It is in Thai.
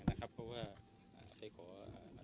นะครับเพราะว่าเอ่อไปขอเอ่ออนุญาตศาสตร์เข้าไปฝั่งการ